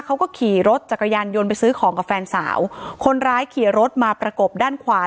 เขาก็ขี่รถจักรยานยนต์ไปซื้อของกับแฟนสาวคนร้ายขี่รถมาประกบด้านขวา